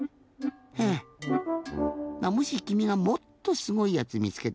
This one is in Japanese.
へえまあもしきみがもっとすごいやつみつけたらおしえてね。